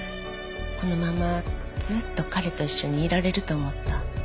このままずっと彼と一緒にいられると思った。